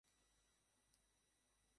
এই বিশ্বস্ততার মধ্যেই একাগ্রতার সার নিহিত।